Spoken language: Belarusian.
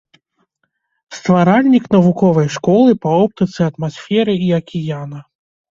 Стваральнік навуковай школы па оптыцы атмасферы і акіяна.